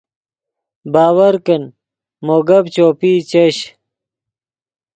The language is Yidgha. باور کن مو گپ چوپئی چش